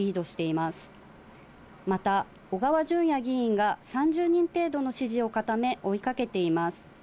また小川淳也議員が、３０人程度の支持を固め、追いかけています。